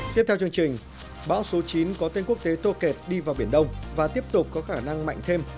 tiếp theo chương trình bão số chín có tên quốc tế toket đi vào biển đông và tiếp tục có khả năng mạnh thêm